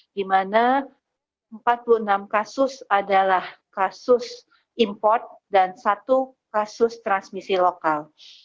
di mana empat puluh enam kasus adalah kasus import dan satu kasus transmisi lokal